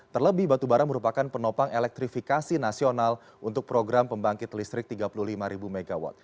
terlebih batubara merupakan penopang elektrifikasi nasional untuk program pembangkit listrik tiga puluh lima mw